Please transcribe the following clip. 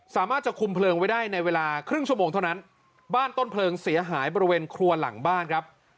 สามารถจะคุมเพลิงไว้ได้ในเวลาครึ่งชั่วโมงเท่านั้นบ้านต้นเพลิงเสียหายบริเวณครัวหลังบ้านครับ